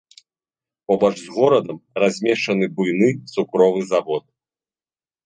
Побач з горадам размешчаны буйны цукровы завод.